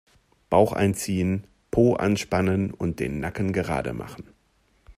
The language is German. Bauch einziehen, Po anspannen und den Nacken gerade machen.